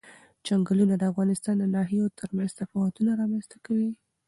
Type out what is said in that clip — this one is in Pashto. چنګلونه د افغانستان د ناحیو ترمنځ تفاوتونه رامنځ ته کوي.